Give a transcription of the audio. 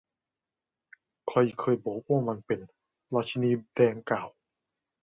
ใครเคยบอกว่ามันเป็น ? ราชินีแดงกล่าว